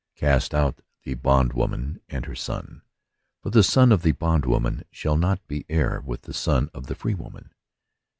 Cast out th bondwoman and her son : for the son of the bondwomaiu shall not be heir with the son of tiie free woman."